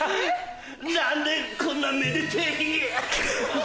何でこんなめでてぇ日に。